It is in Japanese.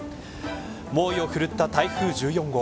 猛威を振るった台風１４号。